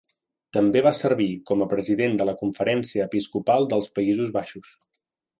També va servir com a president de la Conferència Episcopal dels Països Baixos.